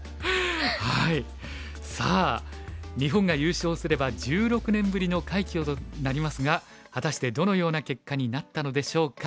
さあ日本が優勝すれば１６年ぶりの快挙となりますが果たしてどのような結果になったのでしょうか。